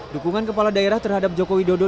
dukungan kepala daerah terhadap joko widodo